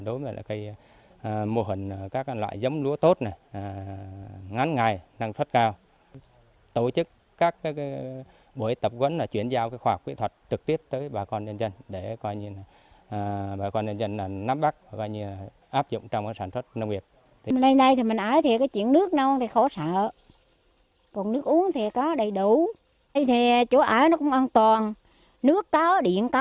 đối với là cây mô hình các loại giấm lúa tốt này ngắn ngày năng suất cao